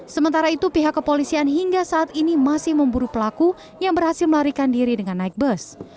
sementara itu pihak kepolisian hingga saat ini masih memburu pelaku yang berhasil melarikan diri dengan naik bus